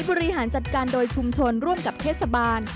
บริหารจัดการโดยชุมชนร่วมกับเทศบาล